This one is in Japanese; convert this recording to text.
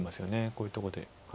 こういうとこで。